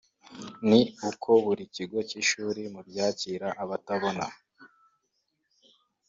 ni uko buri kigo cy’ishuli mu byakira abatabona